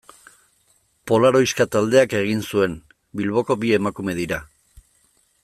Polaroiska taldeak egin zuen, Bilboko bi emakume dira.